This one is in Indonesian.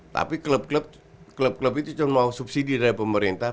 tapi klub klub itu cuma mau subsidi dari pemerintah